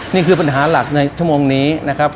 นี่คือปัญหาหลักในชั่วโมงนี้นะครับ